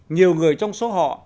nhiều người trong số họ